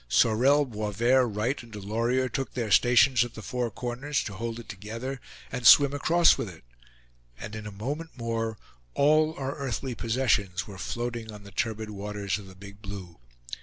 Sorel, Boisverd, Wright and Delorier took their stations at the four corners, to hold it together, and swim across with it; and in a moment more, all our earthly possessions were floating on the turbid waters of the Big Blue.